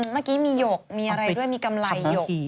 เมื่อกี้มีหยกมีอะไรด้วยมีกำไรหยก